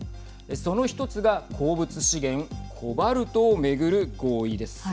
その１つが鉱物資源コバルトを巡る合意です。